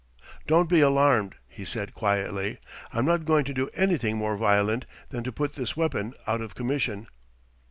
"Don't be alarmed," he said quietly. "I'm not going to do anything more violent than to put this weapon out of commission."